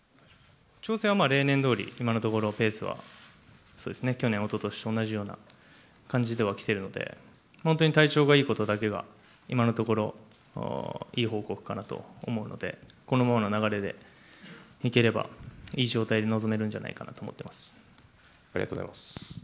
調整は例年どおり、今のところ、ペースは、そうですね、去年、おととしと同じような感じではきてるので、本当に体調がいいことだけが、今のところ、いい報告かなと思うので、このままの流れでいければいい状態で臨めるんじゃないかなと思っありがとうございます。